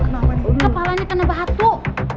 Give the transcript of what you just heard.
kepalanya kena batu